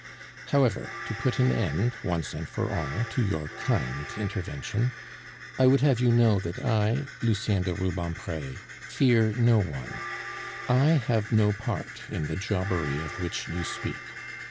"However, to put an end, once and for all, to your kind intervention, I would have you know that I, Lucien de Rubempre, fear no one. I have no part in the jobbery of which you speak.